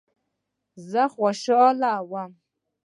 زه خوشاله وم.